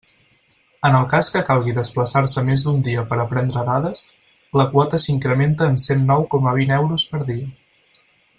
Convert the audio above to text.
En el cas que calgui desplaçar-se més d'un dia per a prendre dades, la quota s'incrementa en cent nou coma vint euros per dia.